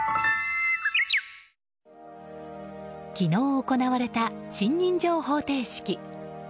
昨日、行われた信任状捧呈式。